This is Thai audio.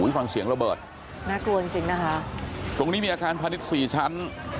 ฟังเสียงระเบิดน่ากลัวจริงจริงนะคะตรงนี้มีอาคารพาณิชย์สี่ชั้น